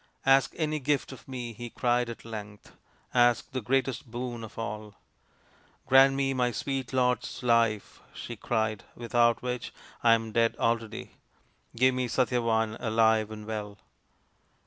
" Ask any gift of me," he cried at length. " Ask the greatest boon of all" " Grant me my sweet lord's life," she cried, " without which I am dead already. Give me Satyavan, alive and well."